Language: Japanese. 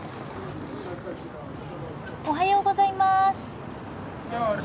おはようございます。